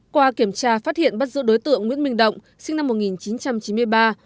qua kiểm tra phát hiện bắt giữ đối tượng nguyễn minh động sinh năm một nghìn chín trăm chín mươi ba